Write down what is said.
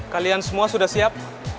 kalian semua sudah siap